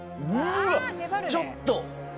ちょっと。